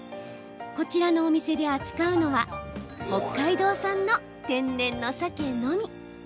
こちらのお店で扱うのは北海道産の天然のサケのみ。